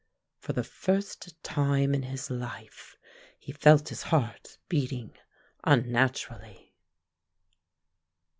For the first time in his life, he felt his heart beating unnaturally.